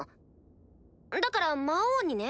だから魔王にね。